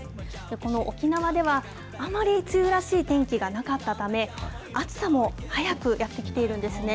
この沖縄では、あまり梅雨らしい天気がなかったため、暑さも早くやって来ているんですね。